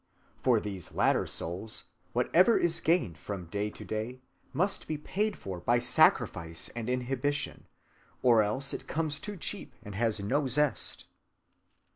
For these latter souls, whatever is gained from day to day must be paid for by sacrifice and inhibition, or else it comes too cheap and has no zest.